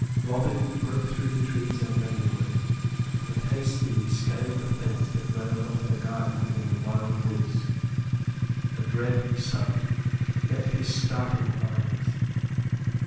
Robin broke through the trees and undergrowth and hastily scaled the fence that railed off their garden from the wild woods. A dread sight met his starting eyes.